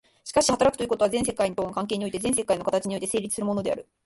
しかし働くということは、全世界との関係において、全世界の形において成立するのである。